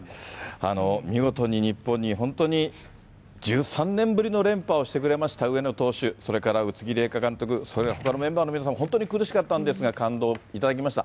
見事に日本に本当に１３年ぶりの連覇をしてくれました、上野投手、それから宇津木麗華監督、それからほかのメンバーの皆さんも本当に苦しかったんですが、感動を頂きました。